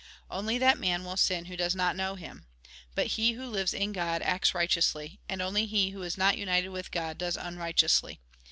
Only that man will sin who does not know Him. But he who lives in God, acts righteously ; and only he who is not united with God, does unrighteously.